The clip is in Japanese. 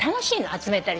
集めたり。